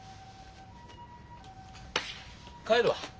帰るわ。